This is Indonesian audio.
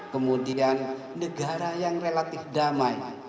kemudian negara yang relatif damai